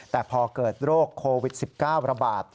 แต่พอเกิดโรคโควิด๑๙ระบาด